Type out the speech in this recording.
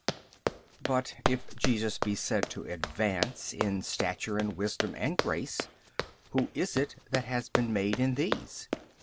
But if Jesus be said to advance in stature and wisdom and grace, who is it that has been made in these?